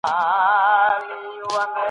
تلوار کار خرابوي